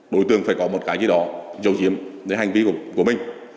đối tượng phải có một cái gì đó dấu chiếm hành vi của mình